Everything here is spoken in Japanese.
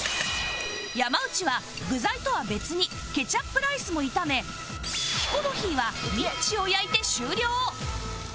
山内は具材とは別にケチャップライスも炒めヒコロヒーはミンチを焼いて終了